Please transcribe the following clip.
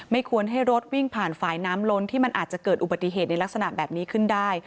ควรให้รถวิ่งผ่านฝ่ายน้ำล้นที่มันอาจจะเกิดอุบัติเหตุในลักษณะแบบนี้ขึ้นได้